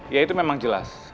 ya itu memang jelas